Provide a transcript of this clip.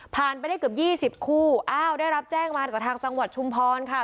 ผ่านไปได้เกือบ๒๐คู่ได้รับแจ้งมาจากทางจังหวัดชุมพรค่ะ